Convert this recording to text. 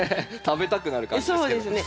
食べたくなる感じですけど。